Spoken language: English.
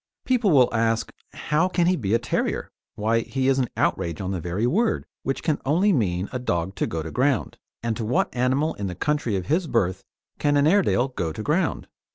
People will ask: "How can he be a terrier? Why he is an outrage on the very word, which can only mean a dog to go to ground; and to what animal in the country of his birth can an Airedale go to ground?"